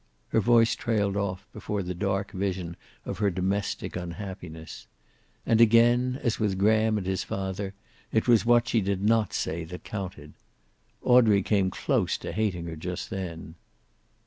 Her voice trailed off before the dark vision of her domestic, unhappiness. And again, as with Graham and his father, it was what she did not say that counted. Audrey came close to hating her just then.